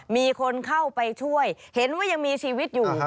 มีคนเข้าไปช่วยเห็นว่ายังมีชีวิตอยู่